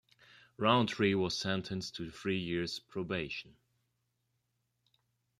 Rountree was sentenced to three years probation.